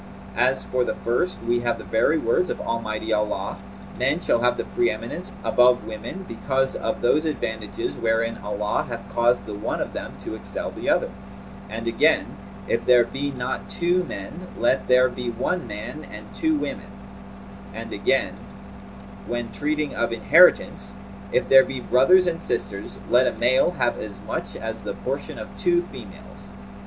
As for the first we have the very words of Almighty Allah, 'Men shall have the pre eminence above women because of those advantages wherein Allah hath caused the one of them to excel the other;[FN#231] and again, 'If there be not two men, let there be one man and two women;'[FN#232] and again, when treating of inheritance, 'If there be brothers and sisters let a male have as much as the portion of two females.'